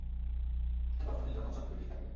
এটা তখনই যখন সবকিছু ঠিক থাকবে।